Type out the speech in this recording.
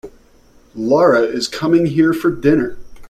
Lara is coming here for dinner.